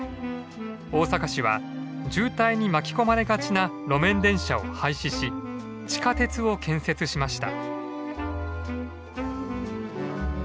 大阪市は渋滞に巻き込まれがちな路面電車を廃止し地下鉄を建設しました。